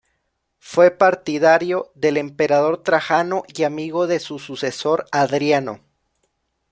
Fue partidario del emperador Trajano y amigo de su sucesor, Adriano.